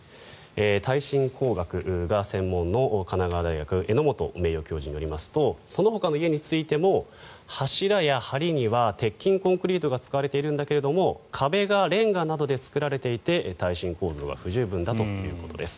耐震工学が専門の神奈川大学荏本名誉教授によりますとそのほかの家についても柱やはりには鉄筋コンクリートが使われているんだけど壁がレンガなどで造られていて耐震構造が不十分だということです。